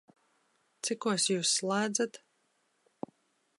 Cikos Jūs slēdzat?